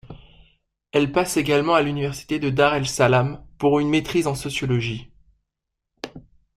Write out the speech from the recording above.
Elle passe également à l'Université de Dar es Salaam pour une maîtrise en sociologie.